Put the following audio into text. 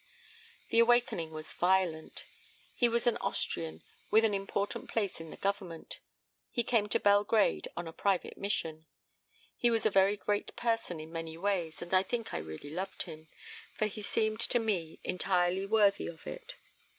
"The awakening was violent. He was an Austrian, with an important place in the Government; he came to Belgrade on a private mission. He was a very great person in many ways, and I think I really loved him, for he seemed to me entirely worthy of it.